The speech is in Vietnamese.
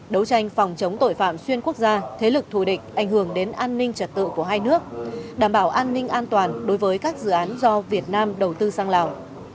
đấu tranh phòng chống tội phạm xuyên quốc gia thế lực thù địch ảnh hưởng đến an ninh trật tự của hai nước đảm bảo an ninh an toàn đối với các dự án do việt nam đầu tư sang lào